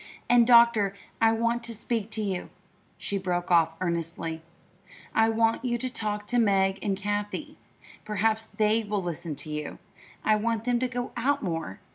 "And, doctor, I want to speak to you," she broke off earnestly. "I want you to talk to Meg and Kathie. Perhaps they will listen to you. I want them to go out more.